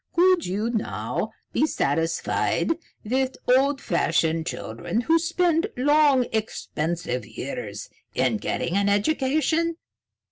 Could you now be satisfied with old fashioned children who spend long, expensive years in getting an education?